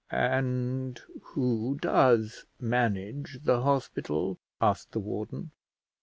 "And who does manage the hospital?" asked the warden.